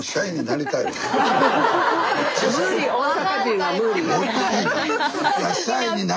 大阪人は無理よ。